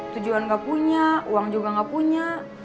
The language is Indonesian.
tujuan gak punya uang juga gak punya